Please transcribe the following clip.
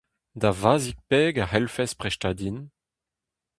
Da vazhig peg a c'hellfes prestañ din ?